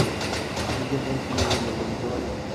বিনোদিনীর কী হইল বলিতে পারিস?